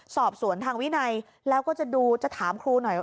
สอบสวนทางวินัยแล้วก็จะดูจะถามครูหน่อยว่า